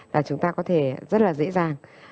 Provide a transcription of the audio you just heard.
là chúng ta có thể rất là dễ dàng